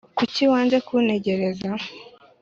Kuki wanze kuntegereza